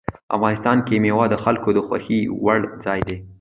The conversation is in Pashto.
افغانستان کې مېوې د خلکو د خوښې وړ ځای دی.